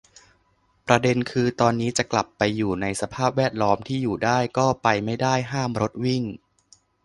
ประเด็นคือ ตอนนี้จะกลับไปอยู่ในสภาพแวดล้อมที่อยู่ได้ ก็ไปไม่ได้ ห้ามรถวิ่ง